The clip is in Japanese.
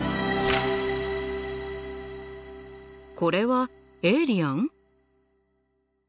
これはエイリアン？